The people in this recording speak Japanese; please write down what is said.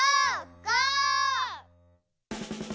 ゴー！